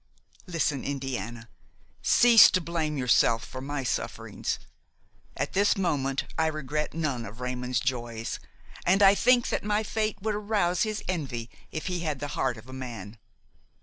Listen, Indiana; cease to blame yourself for my sufferings. At this moment I regret none of Raymon's joys, and I think that my fate would arouse his envy if he had the heart of a man.